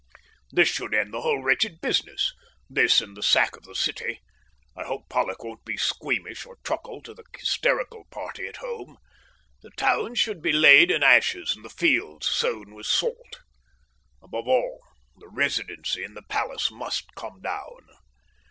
_ This should end the whole wretched business this and the sack of the city. I hope Pollock won't be squeamish, or truckle to the hysterical party at home. The towns should be laid in ashes and the fields sown with salt. Above all, the Residency and the Palace must come down.